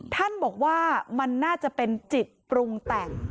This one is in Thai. ท่านบอกว่ามันน่าจะเป็นจิตปรุงแต่ง